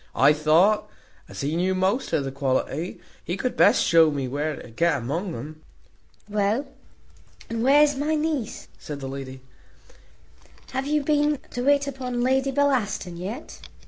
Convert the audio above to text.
I thought, as he knew most of the quality, he could best shew me where to get among um." "Well, and where's my niece?" says the lady; "have you been to wait upon Lady Bellaston yet?"